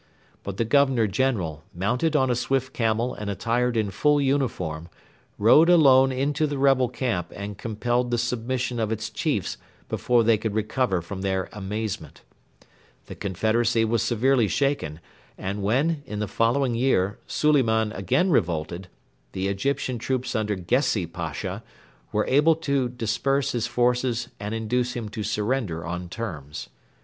But the Governor General, mounted on a swift camel and attired in full uniform, rode alone into the rebel camp and compelled the submission of its chiefs before they could recover from their amazement. The confederacy was severely shaken, and when, in the following year, Suliman again revolted, the Egyptian troops under Gessi Pasha were able to disperse his forces and induce him to surrender on terms.